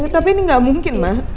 tapi ini gak mungkin mak